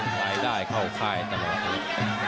รายได้เข้าค่ายตลอด